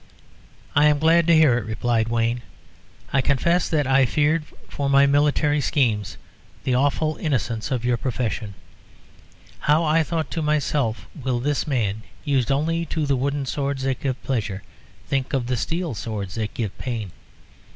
"I am glad to hear it," replied Wayne. "I confess that I feared for my military schemes the awful innocence of your profession. How, I thought to myself, will this man, used only to the wooden swords that give pleasure, think of the steel swords that give pain?